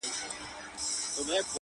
شعـر كي مي راپـاتـــه ائـيـنه نـه ده.